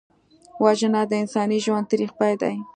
وژنه د انساني ژوند تریخ پای دی